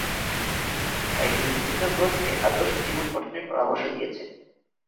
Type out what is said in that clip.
তাই তিনি বিভিন্ন গ্রন্থে আদর্শ জীবন গঠনের পরামর্শ দিয়েছেন।